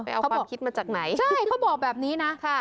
เออเออไปเอาความคิดมาจากไหนใช่เขาบอกแบบนี้นะค่ะ